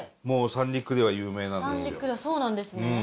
もう三陸では有名なんですよ。